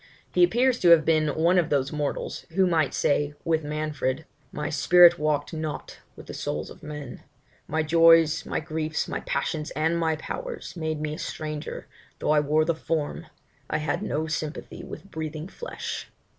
He appears to have been one of those mortals, who might say, with Manfred My spirit walk'd not with the souls of men; My joys, my griefs, my passions, and my powers, Made me a stranger; though I wore the form, I had no sympathy with breathing flesh!